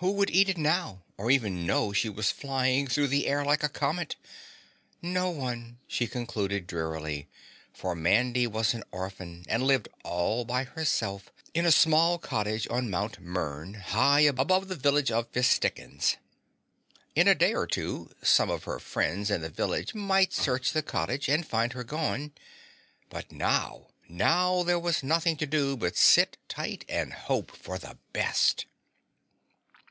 Who would eat it now or even know she was flying through the air like a comet? No one, she concluded drearily, for Mandy was an orphan and lived all by herself in a small cottage on Mt. Mern, high above the village of Fistikins. In a day or two, some of her friends in the village might search the cottage and find her gone, but NOW, now there was nothing to do but sit tight and hope for the best.